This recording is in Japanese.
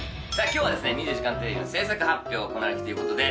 今日は『２４時間テレビ』の制作発表を行う日ということで。